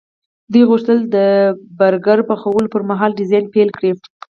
دوی غوښتل د برګر پخولو پرمهال ډیزاین پیل کړي